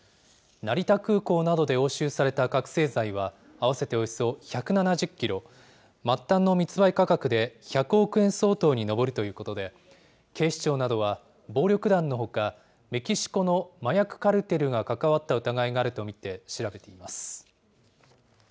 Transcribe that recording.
成田空港などで押収された覚醒剤は、合わせておよそ１７０キロ、末端の密売価格で１００億円相当に上るということで、警視庁などは暴力団のほか、メキシコの麻薬カルテルが関わった疑いがあると見て調べています。